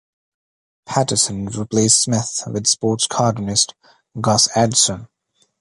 Patterson replaced Smith with sports cartoonist Gus Edson.